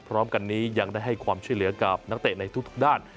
พร้อมกันนี้ยังได้ให้ความช่วยเหลือกับนักเตะในทุกด้าน